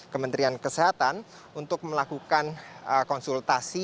kementerian kesehatan untuk melakukan konsultasi